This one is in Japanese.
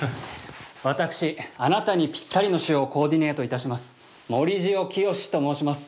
私あなたにぴったりの塩をコ―ディネートいたします盛塩清と申します。